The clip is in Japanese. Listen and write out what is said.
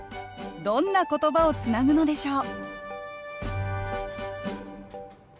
どんな言葉をつなぐのでしょう？